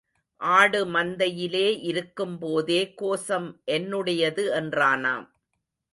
ஆடு மந்தையிலே இருக்கும்போதே கோசம் என்னுடையது என்றானாம்.